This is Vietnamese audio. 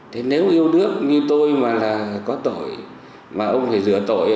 thế nếu yêu nước như tôi mà là có tội mà ông phải rửa tội